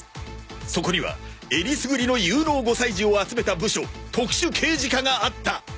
そこにはえりすぐりの有能５歳児を集めた部署特殊刑児課があった